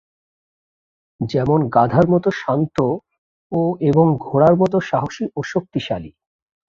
যেমন গাধার মত শান্ত ও এবং ঘোড়ার মত সাহসী ও শক্তিশালী।